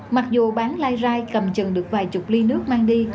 mặc dù bán lai rai cầm chừng được vài chục ly nước mang đi